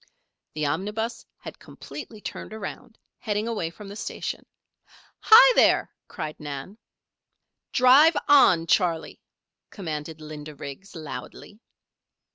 The omnibus had completely turned around, heading away from the station. "Hi, there!" cried Nan. "Drive on, Charley," commanded Linda Riggs, loudly.